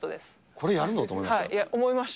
これやるのと思いました？